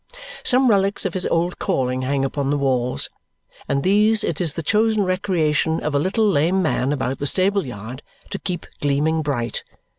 Some relics of his old calling hang upon the walls, and these it is the chosen recreation of a little lame man about the stable yard to keep gleaming bright.